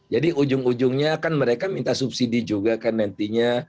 jadi ujung ujungnya kan mereka minta subsidi juga nantinya